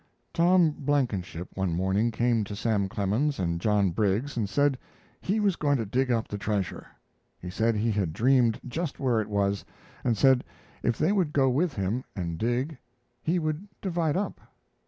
Tom Blankenship one morning came to Sam Clemens and John Briggs and said he was going to dig up the treasure. He said he had dreamed just where it was, and said if they would go with him and dig he would divide up.